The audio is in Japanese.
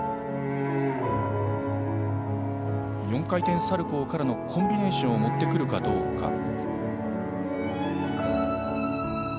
４回転サルコーからのコンビネーションを持ってくるかどうか。